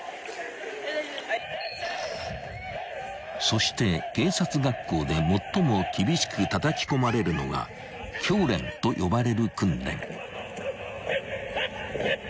［そして警察学校で最も厳しくたたき込まれるのが教練と呼ばれる訓練］